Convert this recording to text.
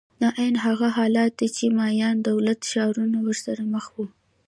دا عین هغه حالت دی چې د مایا دولت ښارونه ورسره مخ وو.